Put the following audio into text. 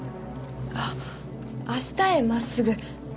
あっ『明日へまっすぐ！』。